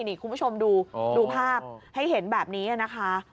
นี่คุณผู้ชมดูภาพให้เห็นแบบนี้นะคะ